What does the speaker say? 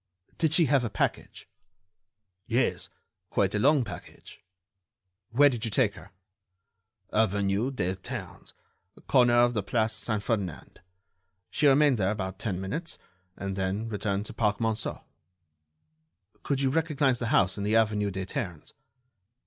"Did she have a package?" "Yes, quite a long package." "Where did you take her?" "Avenue des Ternes, corner of the Place Saint Ferdinand. She remained there about ten minutes, and then returned to the Parc Monceau." "Could you recognize the house in the avenue des Ternes?"